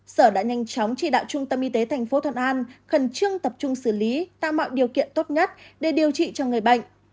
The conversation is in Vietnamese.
sở đã nhanh chóng chỉ đạo trung tâm y tế tp thuận an khẩn trương tập trung xử lý tạo mọi điều kiện tốt nhất để điều trị cho người bệnh